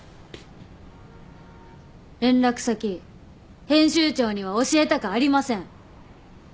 連絡先編集長には教えたくありません！